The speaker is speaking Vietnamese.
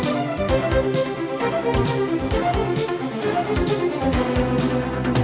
hãy đăng ký kênh để ủng hộ kênh của mình nhé